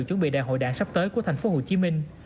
chuẩn bị đại hội đảng sắp tới của thành phố hồ chí minh